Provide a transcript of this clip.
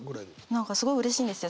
何かすごいうれしいんですよ。